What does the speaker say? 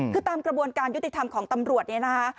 คือตามกระบวนการยุติธรรมของตำรวจเนี่ยนะคะ